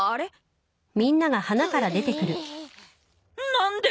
何で！？